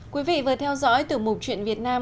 quý vị vừa theo dõi tiểu mục chuyện việt nam